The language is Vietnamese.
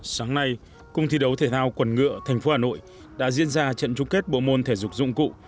sáng nay cung thi đấu thể thao quần ngựa tp hà nội đã diễn ra trận chung kết bộ môn thể dục dụng cụ